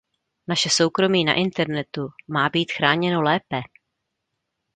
Naše soukromí na internetu má být chráněné lépe.